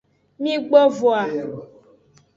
Migbo voa.